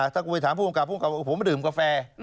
ถ้าคุณไปถามผู้กำกับผมมาดื่มกาแฟ